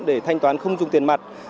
để thanh toán không dùng tiền mặt